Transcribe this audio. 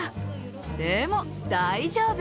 でも大丈夫。